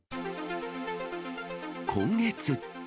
今月。